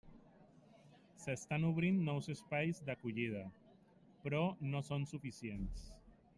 S'estan obrint nous espais d'acollida, però no són suficients.